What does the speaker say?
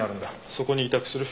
そこに委託する。